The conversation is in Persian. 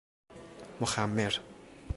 مخمر